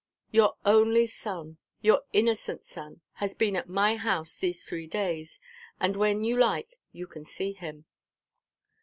"Your only son, your innocent son, has been at my house these three days; and when you like, you can see him."